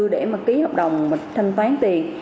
để mà ký hợp đồng và thanh toán tiền